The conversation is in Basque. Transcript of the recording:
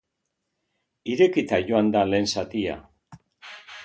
Irekita joan da lehen zatia.